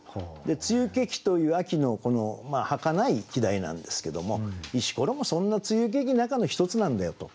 「露けき」という秋のはかない季題なんですけども「石ころ」もそんな露けき中の一つなんだよと。